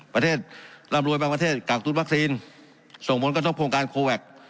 ประเทศรำรวยบางประเทศกากตุ๊ดวัคซีนส่งมนตร์ก็ต้องโครงการโคแว็กซ์